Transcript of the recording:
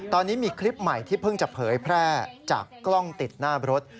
ตอนนี้มีคลิปใหม่ที่เพิ่งจะเผยแพร่จากกล้องติดหน้ารถ